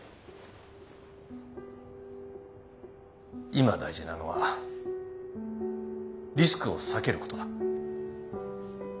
今大事なのはリスクを避けることだ。